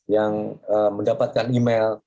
yang ee mendapatkan email